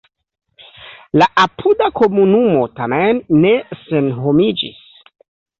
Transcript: La apuda komunumo tamen ne senhomiĝis.